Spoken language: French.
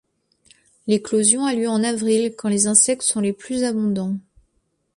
L'éclosion a lieu en avril, quand les insectes sont les plus abondants.